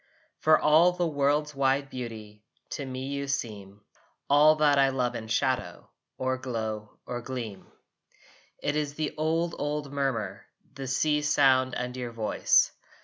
For all the world's wide beauty To me you seem, All that I love in shadow Or glow or gleam. It is the old old murmur, The sea's sound and your voice.